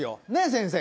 先生。